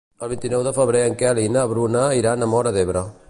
El vint-i-nou de febrer en Quel i na Bruna iran a Móra d'Ebre.